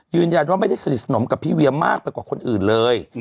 ยืนยันว่าไม่ได้สนิทสนมกับพี่เวียมากไปกว่าคนอื่นเลย